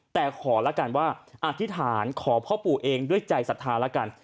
แต่ขอละกันว่าอธิษฐานขอพ่อปู่เองด้วยใจศรัทธาแล้วกัน